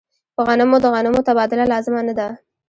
په غنمو د غنمو تبادله لازمه نه ده.